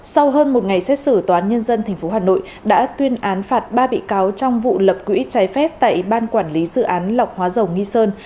sau hơn một ngày xét xử tòa án nhân dân tp hà nội đã tuyên án phạt ba bị cáo trong vụ lập quỹ trái phép tại ban quản lý dự án lọc hóa dầu nghi sơn